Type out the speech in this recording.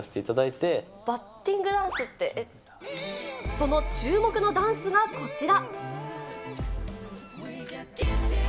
その注目のダンスがこちら。